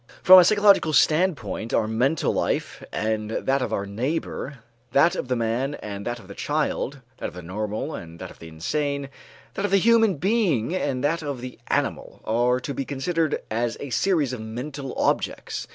From a psychological standpoint our own mental life and that of our neighbor, that of the man and that of the child, that of the normal and that of the insane, that of the human being and that of the animal, are to be considered as a series of mental objects.